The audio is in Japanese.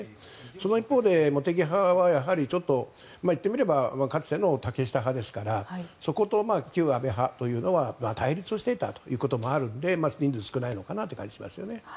その一方で茂木派はちょっと言ってみればかつての竹下派ですからそこと旧安倍派というのは対立していたということもあるので人数が少ないのかなという感じがしますね。